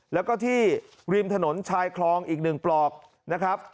แล้วก็ที่ริมถนนชายคลองอีก๑ปลอกนะครับ